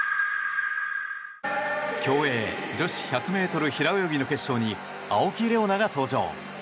競泳、女子１００ｍ平泳ぎの決勝に青木玲緒樹が登場。